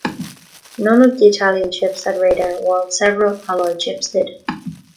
None of the Italian ships had radar, while several Allied ships did.